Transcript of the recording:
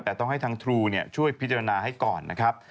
แต่ต้องให้ทางทรูช่วยพิจารณาให้ก่อนนะครับ